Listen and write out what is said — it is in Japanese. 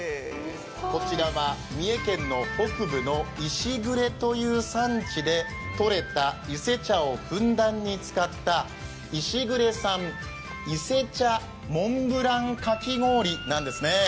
こちらは三重県北部の石榑というところでとれた伊勢茶をふんだんに使った石榑産伊勢茶モンブランかき氷なんですね。